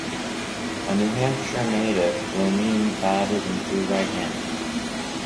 A New Hampshire native, Romine batted and threw right-handed.